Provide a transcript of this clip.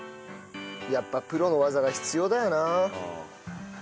やっぱプロの技が必要だよな。